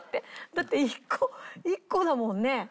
だって１個１個だもんね。